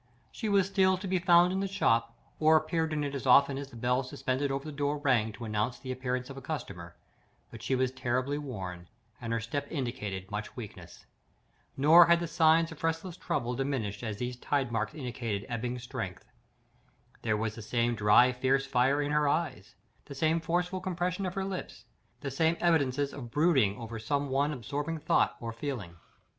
She was still to be found in the shop, or appeared in it as often as the bell suspended over the door rang to announce the entrance of a customer; but she was terribly worn, and her step indicated much weakness. Nor had the signs of restless trouble diminished as these tide marks indicated ebbing strength. There was the same dry fierce fire in her eyes; the same forceful compression of her lips; the same evidences of brooding over some one absorbing thought or feeling.